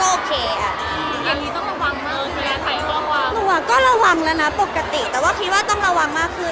อเรนนี่ก็ระวังแล้วนะปกติแต่ว่าคิดว่าต้องระวังมากขึ้น